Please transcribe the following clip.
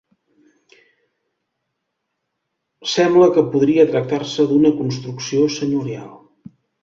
Sembla que podria tractar-se d'una construcció senyorial.